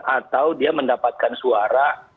atau dia mendapatkan suara